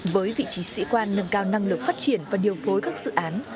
với vị trí sĩ quan nâng cao năng lực phát triển và điều phối các dự án